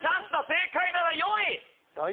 正解なら４位。